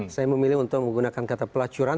saya memilih untuk menggunakan kata pelacuran